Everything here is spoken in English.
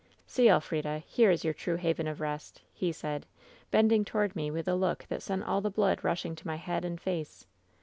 See, Elfrida ! Here is your true haven of rest !' he said, bending toward me with a look that sent all the blood rushing to my head and face.